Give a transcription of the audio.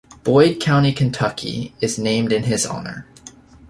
Boyd County, Kentucky is named in his honor.